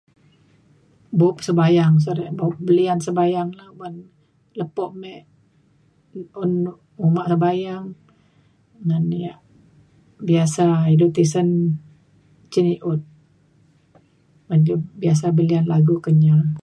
Bup sebayang se re bup belian sebayang un lepo me un uma nebayam ngan yak biasa ilu tisen cin i’ut ban lu biasa belian lagu Kenyah.